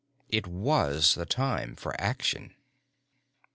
It was the time for action.